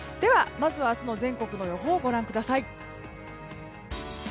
まずは明日の全国の予報をご覧ください。